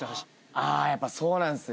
あやっぱそうなんすね。